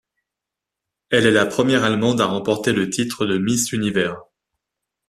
Elle est la première allemande à remporter le titre de Miss Univers.